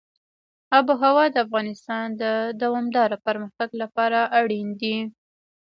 آب وهوا د افغانستان د دوامداره پرمختګ لپاره اړین دي.